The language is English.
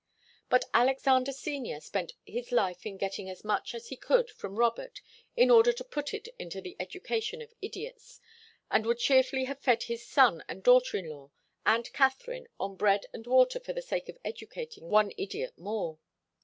But Alexander Senior spent his life in getting as much as he could from Robert in order to put it into the education of idiots, and would cheerfully have fed his son and daughter in law and Katharine on bread and water for the sake of educating one idiot more.